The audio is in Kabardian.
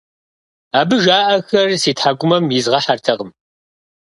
Абы жаӏэхэр си тхьэкӀумэм изгъэхьэртэкъым.